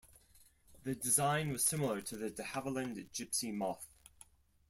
The design was similar to the De Havilland Gipsy Moth.